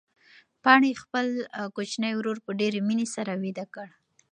پاڼې خپل کوچنی ورور په ډېرې مینې سره ویده کړ.